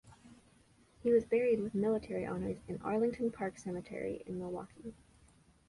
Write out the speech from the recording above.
He was buried with military honors in Arlington Park Cemetery in Milwaukee.